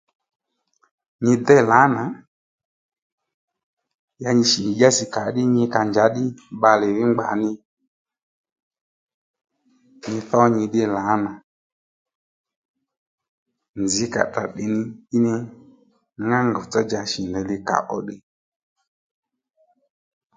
Nyi déy lǎnà ya nyi shì nyi dyásì kǎ ddí nyi ka njǎ ddí bbalè mí ngba ní nyi tho nyi ddí lǎnà nzǐ ka tdrǎ ddí ŋá ngòwtsá-dja shǐ ndey li kàó ddiy